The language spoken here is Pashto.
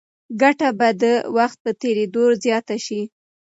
ګټه به د وخت په تېرېدو زیاته شي.